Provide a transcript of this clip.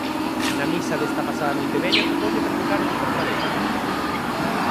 Na misa desta pasada Noitevella tocoulle predicar ao de Forcarei.